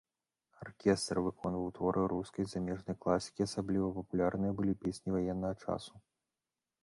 Аркестр выконваў творы рускай, замежнай класікі, асабліва папулярныя былі песні ваеннага часу.